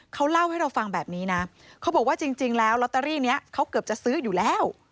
เขาเล่าให้เราฟังแบบนี้นะเขาบอกว่าจริงแล้วลอตเตอรี่นี้เขาเกือบจะซื้ออยู่แล้ว